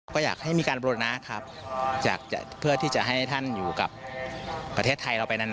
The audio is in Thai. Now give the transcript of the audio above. ก็อยากให้มีการบริโน้นครับเพื่อให้ท่านอยู่กับประเทศไทยไปนาน